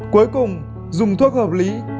cuối cùng dùng thuốc hợp lý